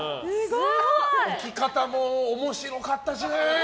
置き方も面白かったしね。